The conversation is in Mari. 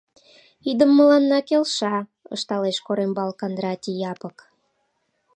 — Идым мыланна келша! — ышталеш Корембал Кандратий Япык.